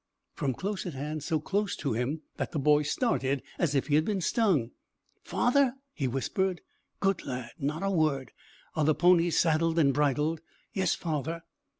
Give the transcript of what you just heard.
Pst! from close at hand, so close to him that the boy started as if he had been stung. "Father!" he whispered. "Good lad. Not a word. Are the ponies saddled and bridled?" "Yes, father."